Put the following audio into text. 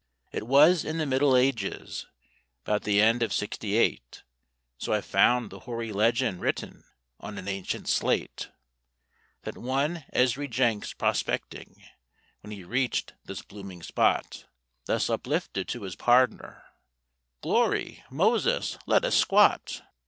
It was in the Middle Ages—'bout the end of Sixty eight, So I found the hoary legend written on an ancient slate— That one Ezry Jenks prospecting, when he reached this blooming spot, Thus uplifted to his pardner: "Glory! Moses, let us squat!"